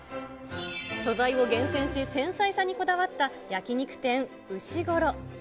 素材を厳選し、繊細さにこだわった焼肉店、うしごろ。